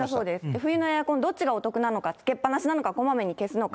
冬のエアコン、どっちがお得なのか、つけっぱなしなのか、こまめに消すのか。